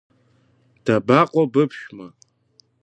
Дабаҟоу быԥшәма?